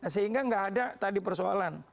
sehingga nggak ada tadi persoalan